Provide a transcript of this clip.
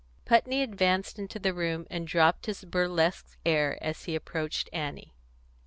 Putney advanced into the room, and dropped his burlesque air as he approached Annie.